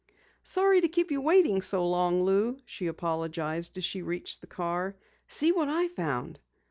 "Sorry to keep you waiting so long, Lou," she apologized as she reached the car. "See what I found!"